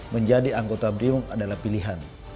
menjadi anggota brimo adalah pilihan